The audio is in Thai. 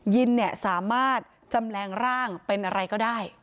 ยินทร์น่ะสามารถจะแม่งร่างเป็นอะไรก็ได้